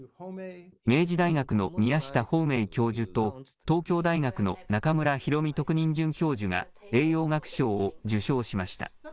明治大学の宮下芳明教授と東京大学の中村裕美特任准教授が栄養学賞を受賞しました。